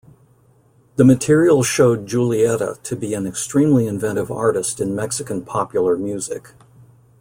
The material showed Julieta to be an extremely inventive artist in Mexican popular music.